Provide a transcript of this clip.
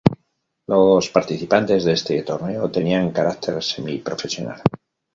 Los participantes de este torneo tenían caracter semi-profesional.